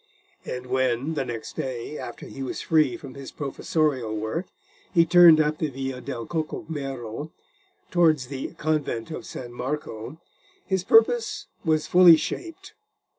And when, the next day, after he was free from his professorial work, he turned up the Via del Cocomero towards the convent of San Marco, his purpose was fully shaped.